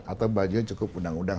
atau bajunya cukup undang undang